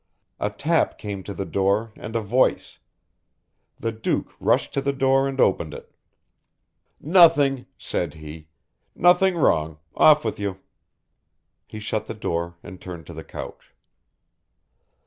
A tap came to the door and a voice. The Duke rushed to the door and opened it. "Nothing," said he, "nothing wrong. Off with you." He shut the door and turned to the couch.